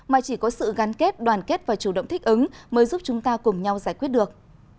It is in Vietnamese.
mà chỉ có sự gắn kết đoàn kết và chủ động thích ứng mới giúp chúng ta cùng nhau giải quyết được